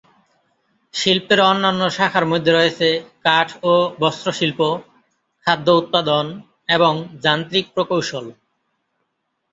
শিল্পের অন্যান্য শাখার মধ্যে রয়েছে কাঠ ও বস্ত্র শিল্প, খাদ্য উৎপাদন এবং যান্ত্রিক প্রকৌশল।